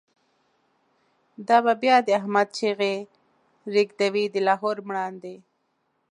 دا به بیا د« احمد» چیغی، ریږدوی د لاهور مړاندی